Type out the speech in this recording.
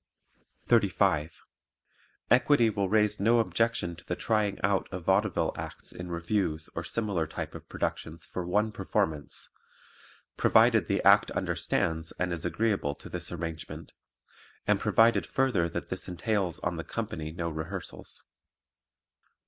35. Equity will raise no objection to the trying out of vaudeville acts in revues or similar type of productions for one performance, provided the act understands and is agreeable to this arrangement and provided further that this entails on the company no rehearsals.